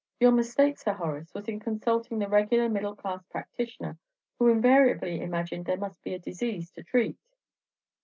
Your mistake, Sir Horace, was in consulting the regular middle class practitioner, who invariably imagined there must be a disease to treat."